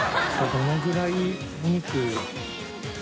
どのぐらいお肉？